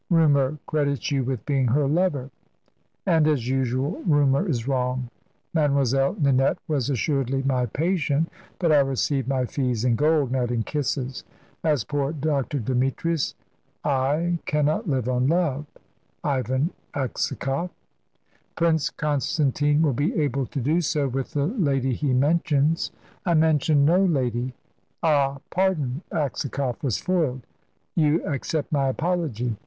"Rumour credits you with being her lover." "And, as usual, rumour is wrong. Mademoiselle Ninette was assuredly my patient, but I received my fees in gold, not in kisses. As poor Dr. Demetrius I I cannot live on love, Ivan Aksakoff." "Prince Constantine will be able to do so with the lady he mentions." "I mentioned no lady." "Ah, pardon!" Aksakoff was foiled. "You accept my apology?"